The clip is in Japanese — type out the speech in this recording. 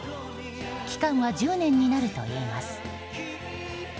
期間は１０年になるといいます。